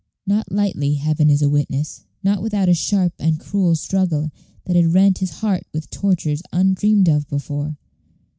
Not lightly, Heaven is a witness; not without a sharp and cruel struggle, that had rent his heart with tortures undreamed of before.